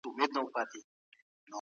ایا مسلکي بڼوال تور ممیز اخلي؟